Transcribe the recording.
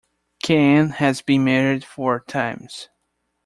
Caan has been married four times.